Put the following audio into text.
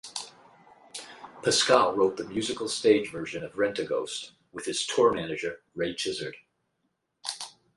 Pasquale wrote the musical stage version of "Rentaghost" with his tour manager Ray Tizzard.